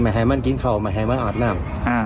ไม่ให้มันกินเขาไม่ให้มันอาจนั่ง